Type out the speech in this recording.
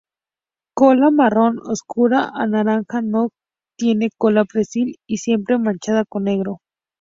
Cola marrón oscura a naranja no tiene cola prensil y siempre manchada con negro.